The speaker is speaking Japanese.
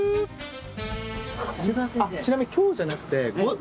ちなみに。